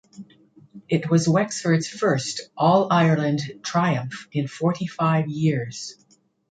It was Wexford's first All-Ireland triumph in forty-five years.